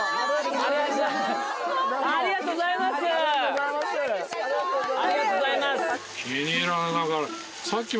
ありがとうございます。